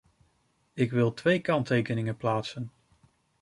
Ik wil twee kanttekeningen plaatsen.